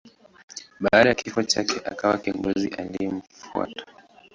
Baada ya kifo chake akawa kiongozi aliyemfuata.